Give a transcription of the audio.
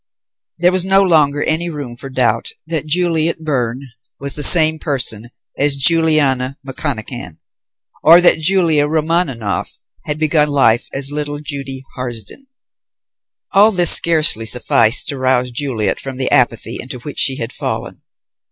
There was no longer any room for doubt that Juliet Byrne was the same person as Juliana McConachan, or that Julia Romaninov had begun life as little Judy Harsden. All this scarcely sufficed to rouse Juliet from the apathy into which she had fallen.